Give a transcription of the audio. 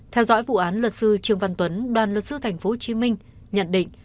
theo dõi vụ án luật sư trương văn tuấn đoàn luật sư tp hcm nhận định